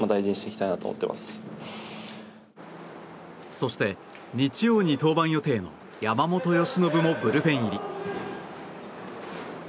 そして、日曜に登板予定の山本由伸もブルペン入り。